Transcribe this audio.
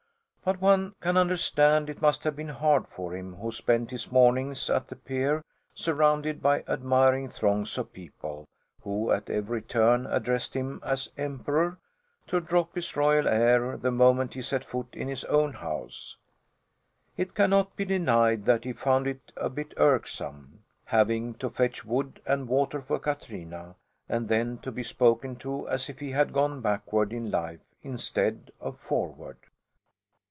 But one can understand it must have been hard for him who spent his mornings at the pier, surrounded by admiring throngs of people, who at every turn addressed him as "Emperor," to drop his royal air the moment he set foot in his own house. It cannot be denied that he found it a bit irksome having to fetch wood and water for Katrina and then to be spoken to as if he had gone backward in life instead of forward.